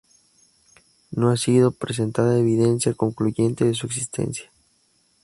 No ha sido presentada evidencia concluyente de su existencia.